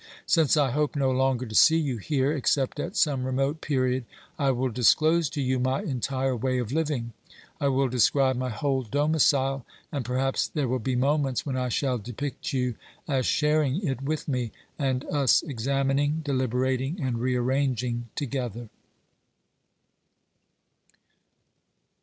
Since I hope no longer to see you here, except at some remote period, I will disclose to you my entire way of living. I will describe my whole domicile, and perhaps there will be moments when I shall depict you as sharing it with me, and us examining, deliberating and rearranging together.